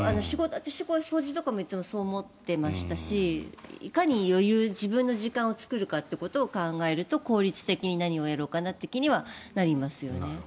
私も掃除とかもいつもそう思っていましたしいかに余裕自分の時間を作るかということを考えると効率的に何をやろうかなという気にはなりますよね。